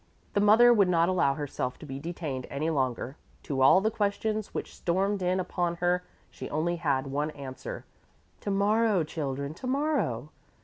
The mother would not allow herself to be detained any longer. To all the questions which stormed in upon her she only had one answer: "To morrow, children, to morrow."